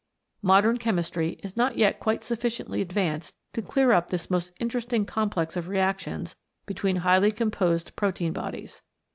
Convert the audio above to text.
Modern chemistry is not yet quite sufficiently advanced to clear up this most interesting complex of reactions between highly composed protein bodies.